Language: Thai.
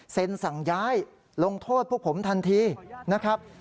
สั่งย้ายลงโทษพวกผมทันทีนะครับ